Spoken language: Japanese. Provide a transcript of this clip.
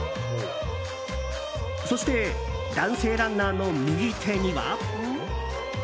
そして男性ランナーの右手には。